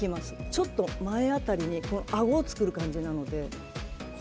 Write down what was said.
ちょっと前辺りにあごを作る感じなので。